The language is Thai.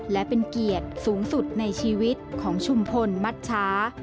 และเป็นเกียรติสูงสุดในชีวิตของชุมพลมัชชา